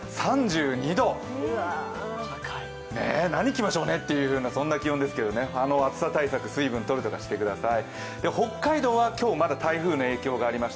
何着ましょうねというそんな気温ですけど、暑さ対策、水分とるとかしてください。